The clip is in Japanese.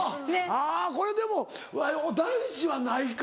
あぁこれでも男子はないか。